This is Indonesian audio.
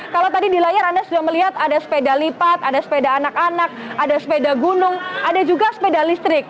kalau tadi di layar anda sudah melihat ada sepeda lipat ada sepeda anak anak ada sepeda gunung ada juga sepeda listrik